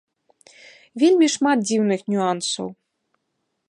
Вельмі шмат дзіўных нюансаў.